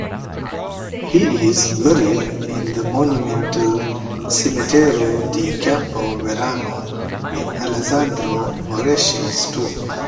He is buried in the Monumental Cimitero di Campo Verano in Alessandro Moreschi's tomb.